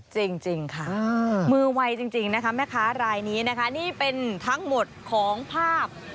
จริงค่ะมือไวจริงนะคะแม่ค้ารายนี้นะคะนี่เป็นทั้งหมดของภาพ